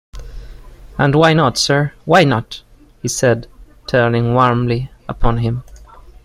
‘And why not, sir — why not?’ he said, turning warmly upon him.